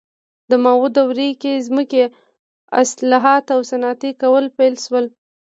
د ماو دورې کې ځمکې اصلاحات او صنعتي کول پیل شول.